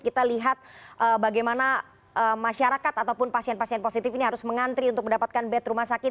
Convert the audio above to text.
kita lihat bagaimana masyarakat ataupun pasien pasien positif ini harus mengantri untuk mendapatkan bed rumah sakit